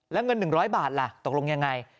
แล้วเงิน๑๐๐บาทล่ะตกลงยังไง